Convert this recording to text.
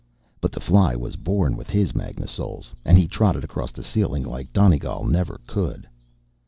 But the fly was born with his magnasoles, and he trotted across the ceiling like Donegal never could.